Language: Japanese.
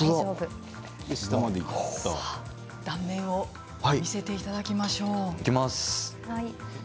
断面を見せていただきましょう。